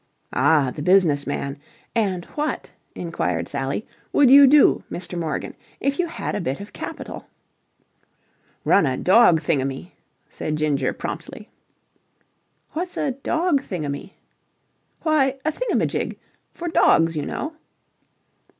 "Ah! The business man! And what," inquired Sally, "would you do, Mr. Morgan, if you had a bit of capital?" "Run a dog thingummy," said Ginger promptly. "What's a dog thingummy?" "Why, a thingamajig. For dogs, you know."